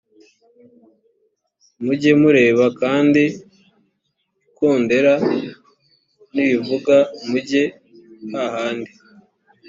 mujye mureba kandi ikondera nirivuga mujye hahandi